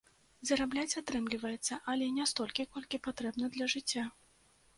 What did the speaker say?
Зарабляць атрымліваецца, але не столькі, колькі патрэбна для жыцця.